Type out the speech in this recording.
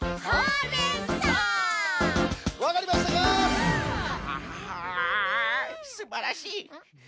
すばらしい！